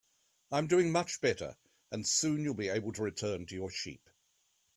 I'm doing much better, and soon you'll be able to return to your sheep.